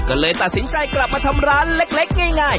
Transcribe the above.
ก็เลยตัดสินใจกลับมาทำร้านเล็กง่าย